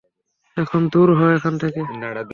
এখন দূর হ এখান থেকে।